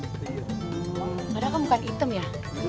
padahal kan bukan item ya